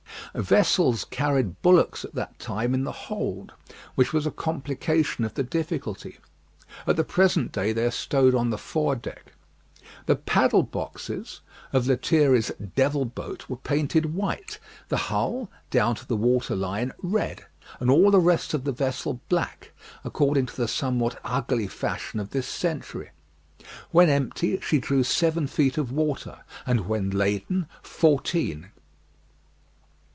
Vessels carried bullocks at that time in the hold, which was a complication of the difficulty. At the present day they are stowed on the fore deck. The paddle boxes of Lethierry's "Devil Boat" were painted white, the hull, down to the water line, red, and all the rest of the vessel black, according to the somewhat ugly fashion of this century. When empty she drew seven feet of water, and when laden fourteen.